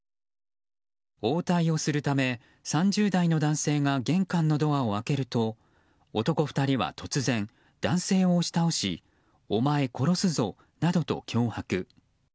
応対をするため３０代の男性が玄関のドアを開けると男２人は突然男性を押し倒しお前、殺すぞなどと脅迫。